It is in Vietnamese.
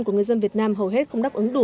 của người dân việt nam hầu hết không đáp ứng đủ